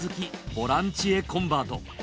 ボランチへコンバート。